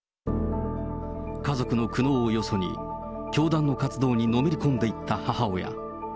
家族の苦悩をよそに、教団の活動にのめり込んでいった母親。